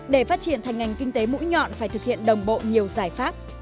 để phát triển thành ngành kinh tế mũi nhọn phải thực hiện đồng bộ nhiều giải pháp